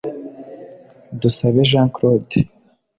Dusabe Jean Claude